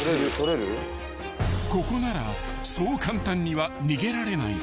［ここならそう簡単には逃げられない］